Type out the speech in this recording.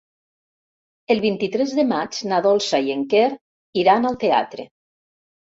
El vint-i-tres de maig na Dolça i en Quer iran al teatre.